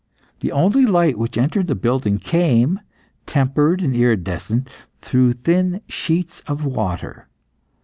The only light which entered the building came, tempered and iridescent, through thin sheets of water.